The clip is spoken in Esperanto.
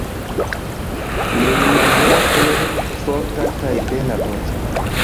Neimageble forta kaj bela voĉo.